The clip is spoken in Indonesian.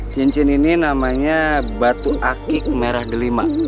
cincin ini namanya batu akik merah delima